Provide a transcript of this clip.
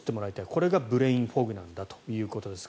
これがブレインフォグなんだということです。